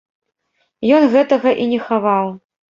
Ён гэтага і не хаваў.